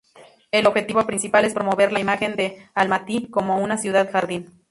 El objetivo principal es promover la imagen de Almatý como una ciudad-jardín.